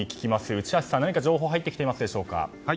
内橋さん、何か情報入ってきていますでしょうか。